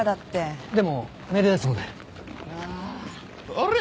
あれ？